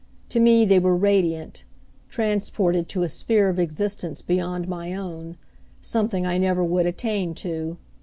To me they were radiant, transported to a sphere of existence beyond my own, something I never would attain to.